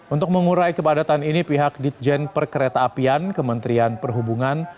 untuk mengurai kepadatan ini pihak ditjen perkereta apian kementerian perhubungan